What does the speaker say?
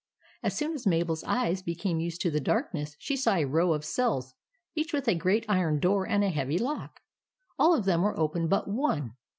As soon as Mabel's eyes became used to the darkness, she saw a row of cells, each with a great iron door and a heavy lock. All of them were open but one.